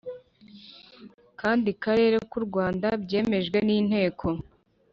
kandi karere ku Rwanda byemejwe n Inteko